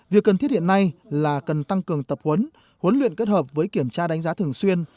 việc cần thiết hiện nay là cần tăng cường tập huấn huấn luyện kết hợp với kiểm tra đánh giá thường xuyên